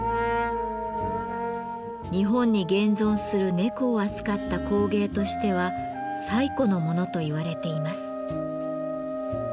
日本に現存する猫を扱った工芸としては最古のものと言われています。